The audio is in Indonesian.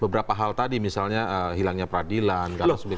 beberapa hal tadi misalnya hilangnya peradilan